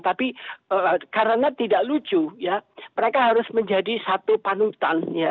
tapi karena tidak lucu mereka harus menjadi satu panutan